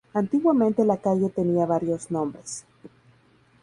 Antiguamente la calle tenía varios nombres.